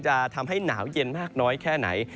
จะทำให้หนาวเย็นมากน้อยแค่ไหน